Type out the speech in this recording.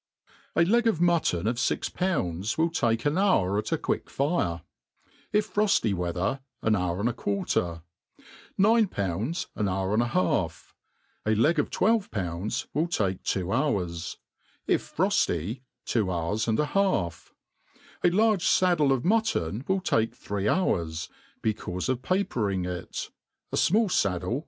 A leg of mutton of fix pounds will take an hour at a qui^k ; fire; if frofty weather, an hour and a quarter ; nine pounds an hour and a half; a leg of twelve pounds will take two hours ; if frofty, two hours and a half; a l^rge faddie of Wutton will take three hours, hecaufe :of papering 'iV; k fmall faddle Wi}!